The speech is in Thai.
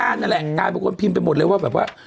นั่นแหละกลายเป็นคนพิมพ์ไปหมดเลยว่าแบบว่า